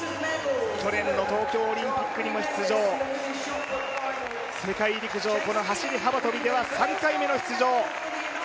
去年の東京オリンピックにも出場、世界陸上、この走幅跳では３回目の出場。